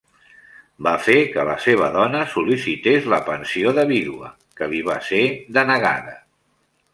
Va fer que la seva dona sol·licités la pensió de vídua, que li va ser denegada.